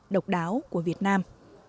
độc đáo của việt nam